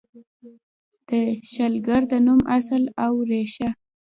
د شلګر د نوم اصل او ریښه: